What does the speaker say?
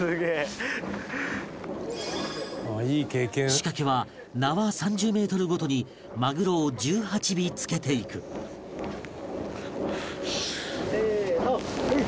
仕掛けは縄３０メートルごとにマグロを１８尾つけていくせーのはい！